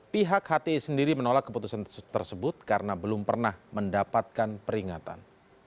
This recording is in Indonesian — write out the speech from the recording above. pihak hti sendiri menolak keputusan tersebut karena belum pernah mendapatkan peringatan